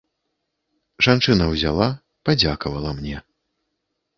Жанчына ўзяла, падзякавала мне.